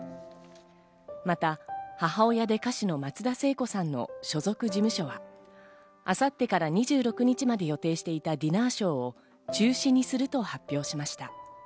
また母親で歌手の松田聖子さんの所属事務所は、明後日から２６日まで予定していたディナーショーを中止にすると発表しました。